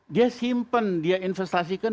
dia simpen dia investasikan